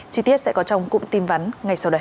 chi tiết sẽ có trong cụm tin vắn ngay sau đây